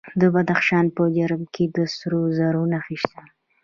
د بدخشان په جرم کې د سرو زرو نښې شته.